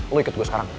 lo ikut gue sekarang